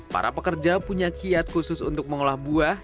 para pekerja punya kiat khusus untuk mengolah buah